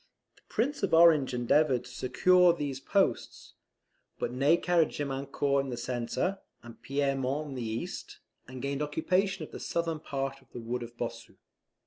The Prince of Orange endeavoured to secure these posts; but Ney carried Gemiancourt in the centre, and Pierremont on the east, and gained occupation of the southern part of the wood of Bossu.